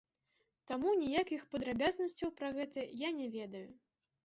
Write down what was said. Таму ніякіх падрабязнасцяў пра гэта я не ведаю.